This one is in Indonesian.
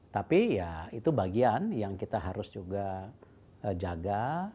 tapi ya itu bagian yang kita harus juga jaga